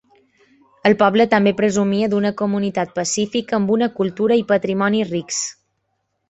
El poble també presumia d'una comunitat pacífica amb una cultura i patrimoni rics.